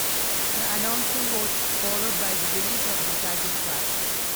The announcement was followed by the release of the title track.